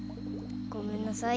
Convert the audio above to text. ごめんなさい。